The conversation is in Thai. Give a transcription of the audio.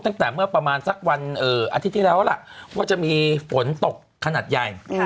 ตั้งแต่เมื่อประมาณสักวันอาทิตย์ที่แล้วล่ะว่าจะมีฝนตกขนาดใหญ่